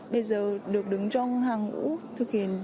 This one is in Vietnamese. bây giờ được đứng trong hàng ngũ thực hiện